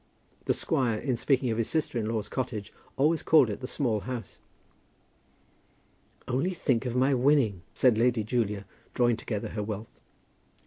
The squire in speaking of his sister in law's cottage always called it the Small House. "Only think of my winning," said Lady Julia, drawing together her wealth.